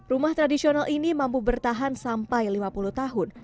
rumah tradisional ini mampu bertahan sampai lima puluh tahun